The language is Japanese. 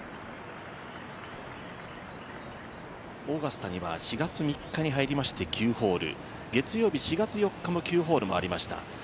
オーガスタには４月３日に入りまして、９ホール月曜日４月４日の９ホールもありました。